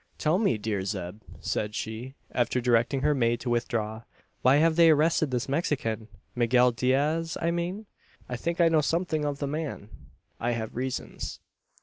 "Tell me, dear Zeb," said she, after directing her maid to withdraw, "why have they arrested this Mexican Miguel Diaz I mean? I think I know something of the man. I have reasons."